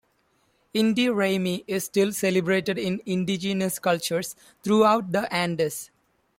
Inti Raymi is still celebrated in indigenous cultures throughout the Andes.